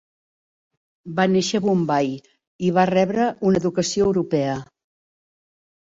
Va néixer a Bombai i va rebre una educació europea.